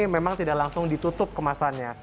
memang tidak langsung ditutup kemasannya